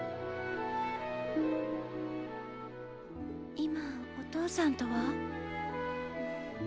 今お父さんとは？